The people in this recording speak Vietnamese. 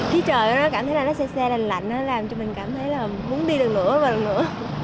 khí trời nó cảm thấy là nó xe xe lành lạnh nó làm cho mình cảm thấy là muốn đi lửa và lửa